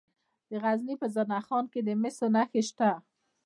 د غزني په زنه خان کې د مسو نښې شته.